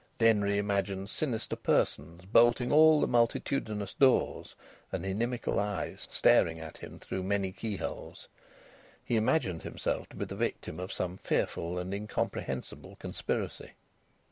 Denry imagined sinister persons bolting all the multitudinous doors, and inimical eyes staring at him through many keyholes. He imagined himself to be the victim of some fearful and incomprehensible conspiracy.